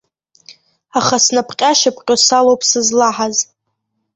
Аха снапҟьа-шьапҟьо салоуп сызлаҳаз.